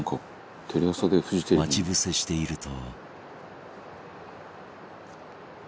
待ち伏せしていると